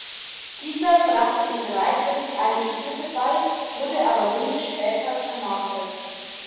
Dieser brachte ihm bereitwillig einige Kniffe bei, wurde aber wenig später ermordet.